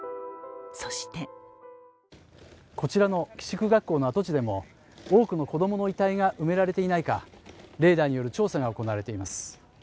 そしてこちらの寄宿学校の跡地でも多くの子供の遺体が埋められていないかレーダーによる調査が行われています。